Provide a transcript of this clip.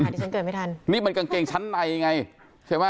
เดี๋ยวฉันเกิดไม่ทันนี่มันกางเกงชั้นในไงใช่ป่ะอ๋อ